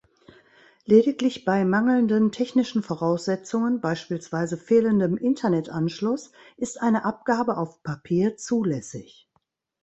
Lediglich bei mangelnden technischen Voraussetzungen, beispielsweise fehlendem Internet-Anschluss, ist eine Abgabe auf Papier zulässig.